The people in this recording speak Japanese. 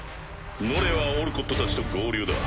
ノレアはオルコットたちと合流だ。